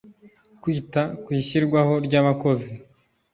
Kwita kwishyirwaho ry abakozi